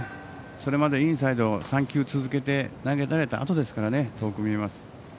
それまでインサイドに３球続けて投げられたあとなので遠く見えます。